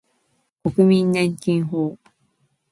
国民年金法